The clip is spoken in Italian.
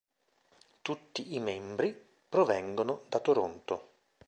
Tutti i membri provengono da Toronto.